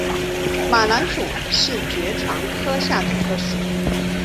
马蓝属是爵床科下的一个属。